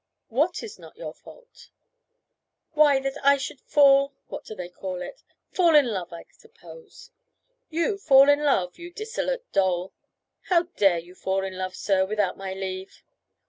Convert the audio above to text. "What is not your fault?" "Why, that I should fall what do they call it? fall in love, I suppose." "You fall in love, you dissolute doll! How dare you fall in love, sir, without my leave?"